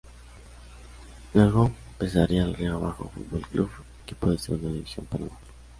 Luego pasaría a Río Abajo Fútbol Club, equipo de Segunda División Panamá.